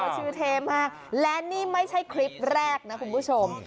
ชื่อเท่มากและนี่ไม่ใช่คลิปแรกนะคุณผู้ชม